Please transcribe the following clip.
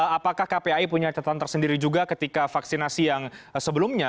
apakah kpai punya catatan tersendiri juga ketika vaksinasi yang sebelumnya